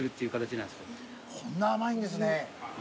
こんな甘いんですね。